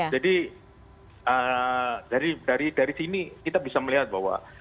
jadi dari sini kita bisa melihat bahwa